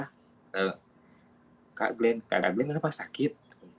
tulus kak glenn kak glenn kenapa sakit